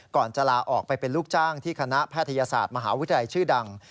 ก่อนจะลาออกไปเป็นลูกจ้างที่คณะแพทยศาสตร์มหาวิทยาลัยชื่อดัง